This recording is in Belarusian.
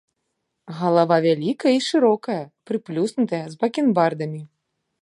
Галава вялікая і шырокая, прыплюснутая, з бакенбардамі.